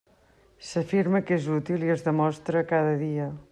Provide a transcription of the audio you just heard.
S'afirma que és útil, i es demostra cada dia.